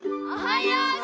おはよう。